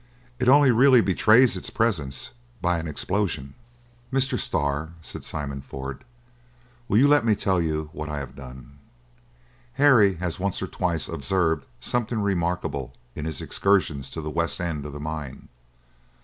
It only really betrays its presence by an explosion." "Mr. Starr," said Simon Ford, "will you let me tell you what I have done? Harry had once or twice observed something remarkable in his excursions to the west end of the mine.